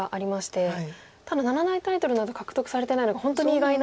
ただ七大タイトルなど獲得されてないのが本当に意外な。